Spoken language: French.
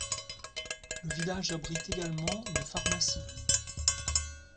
Le village abrite également une pharmacie.